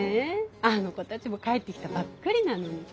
あの子たちも帰ってきたばっかりなのに。